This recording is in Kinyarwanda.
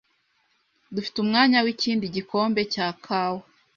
Dufite umwanya wikindi gikombe cya kawa?